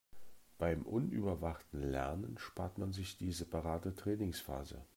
Beim unüberwachten Lernen spart man sich die separate Trainingsphase.